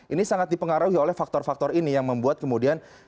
ini sangat dipengaruhi oleh faktor faktor ini yang membuat kemudian